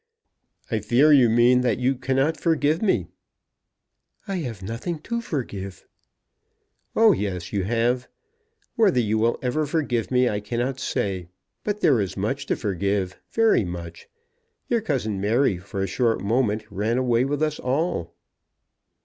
"I fear you mean that you cannot forgive me." "I have nothing to forgive." "Oh yes, you have; whether you will ever forgive me I cannot say. But there is much to forgive; very much. Your cousin Mary for a short moment ran away with us all."